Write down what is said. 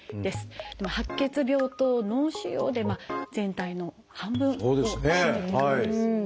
「白血病」と「脳腫瘍」で全体の半分を占めているんですよね。